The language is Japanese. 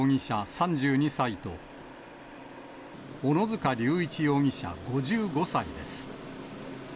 ３２歳と、小野塚隆一容疑者５５歳です。